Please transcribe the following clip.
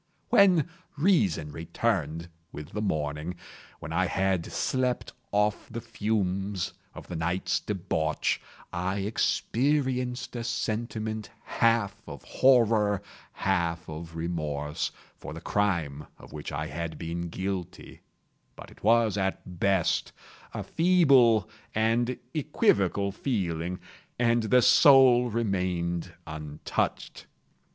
When reason returned with the morning—when I had slept off the fumes of the night's debauch—I experienced a sentiment half of horror, half of remorse, for the crime of which I had been guilty; but it was, at best, a feeble and equivocal feeling, and the soul remained untouched.